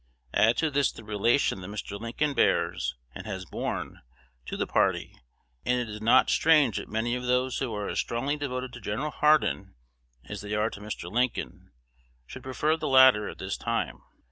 Add to this the relation that Mr. Lincoln bears, and has borne, to the party, and it is not strange that many of those who are as strongly devoted to Gen. Hardin as they are to Mr. Lincoln should prefer the latter at this time.